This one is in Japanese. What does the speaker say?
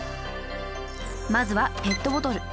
まずはペットボトル。